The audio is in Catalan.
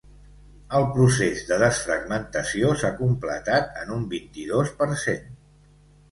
El procés de desfragmentació s'ha completat en un vint-i-dos per cent.